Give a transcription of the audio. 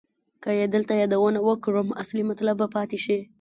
که یې دلته یادونه وکړم اصلي مطلب به پاتې شي.